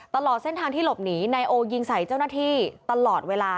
ตลอดเส้นทางที่หลบหนีนายโอยิงใส่เจ้าหน้าที่ตลอดเวลา